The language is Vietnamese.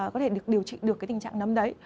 có thể được điều trị được cái tình trạng nấm đấy